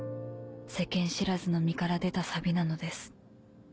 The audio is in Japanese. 世間知らずの身から出た錆なのです。